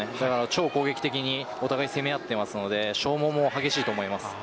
超攻撃的にお互い攻め合っていますので消耗も激しいと思います。